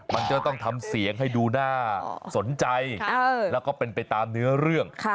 มันก็ต้องทำเสียงให้ดูน่าสนใจแล้วก็เป็นไปตามเนื้อเรื่อง